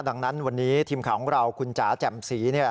ดังนั้นวันนี้ทีมข่าวของเราคุณจ๋าแจ่มสี